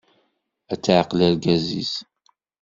Ad taɛqel argaz-is.